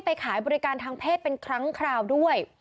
ขายบริการทางเพศเป็นครั้งคราวด้วย